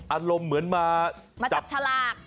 อารมณ์เหมือนมาจับฉลาก